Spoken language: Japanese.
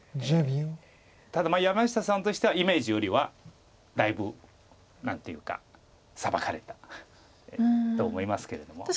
ただ山下さんとしてはイメージよりはだいぶ何ていうかサバかれたと思いますけども。